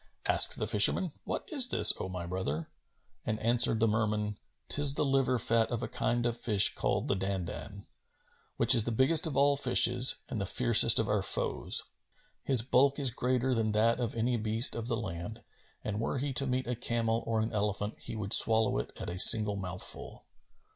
Asked the fisherman, "What is this, O my brother?"; and answered the Merman, "'Tis the liver fat of a kind of fish called the Dandбn,[FN#261] which is the biggest of all fishes and the fiercest of our foes. His bulk is greater than that of any beast of the land, and were he to meet a camel or an elephant, he would swallow it at a single mouthful."